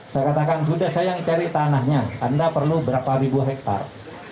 saya katakan sudah saya yang cari tanahnya anda perlu berapa ribu hektare